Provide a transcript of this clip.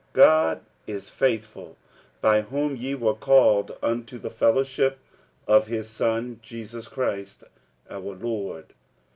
46:001:009 God is faithful, by whom ye were called unto the fellowship of his Son Jesus Christ our Lord.